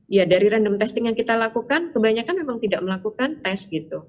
ya dari random testing yang kita lakukan kebanyakan memang tidak melakukan tes gitu